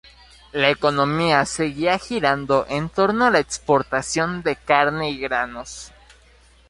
La economía seguía girando en torno a la exportación de carne y granos.